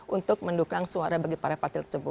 untuk mendukung suara bagi para partai tersebut